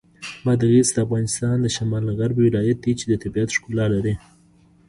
بادغیس د افغانستان د شمال غرب ولایت دی چې د طبیعت ښکلا لري.